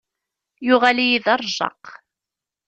Yuɣal-iyi d aṛejjaq.